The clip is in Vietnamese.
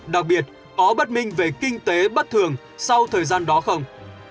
đặc biệt có bất minh về kinh tế bất thường sau thời gian đó không